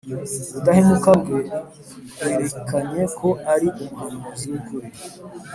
Ubudahemuka bwe bwerekanye ko ari umuhanuzi w’ukuri,